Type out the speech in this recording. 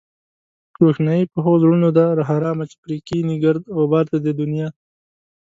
روښنايي په هغو زړونو ده حرامه چې پرې کېني گرد غبار د دې دنيا